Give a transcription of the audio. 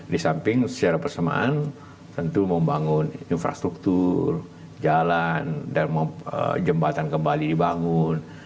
di samping secara persamaan tentu membangun infrastruktur jalan dan jembatan kembali dibangun